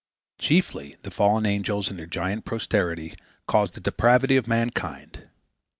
Chiefly the fallen angels and their giant posterity caused the depravity of mankind.